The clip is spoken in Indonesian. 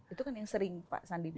itu kan yang sering pak sandi